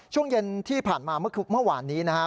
ช่วงเย็นที่ผ่านมาเมื่อคุกเมื่อวานนี้นะฮะ